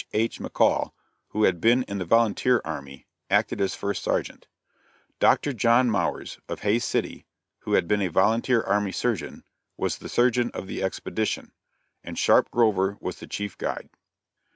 H. McCall, who had been in the volunteer army, acted as first sergeant; Dr. John Mowers, of Hays City, who had been a volunteer army surgeon, was the surgeon of the expedition; and Sharpe Grover was the chief guide.